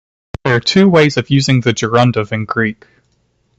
There are two ways of using the gerundive in Greek.